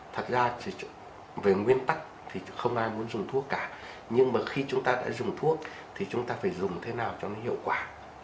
thật ra thì về nguyên tắc thì không ai muốn dùng thuốc cả nhưng mà khi chúng ta đã dùng thuốc thì chúng ta phải dùng thế nào cho nó hiệu quả